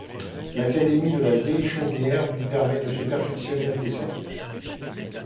L’Académie de la Vieille Chaumière lui permet de se perfectionner en dessin.